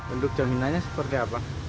untuk jaminannya seperti apa